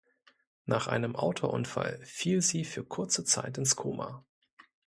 Nach einem Autounfall fiel sie für kurze Zeit ins Koma.